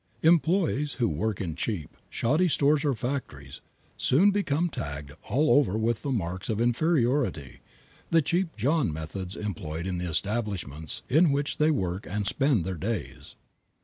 Employees who work in cheap, shoddy stores or factories soon become tagged all over with the marks of inferiority, the cheap John methods employed in the establishments in which they work and spend their days.